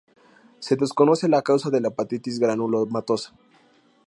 Se desconoce la causa de la hepatitis granulomatosa.